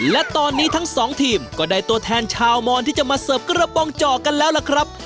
และตอนนี้ทั้งสองทีมก็ได้ตัวแทนชาวมอนที่จะมาเสิร์ฟกระป๋องเจาะกันแล้วล่ะครับ